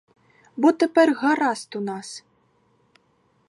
Бо тепер гаразд у нас!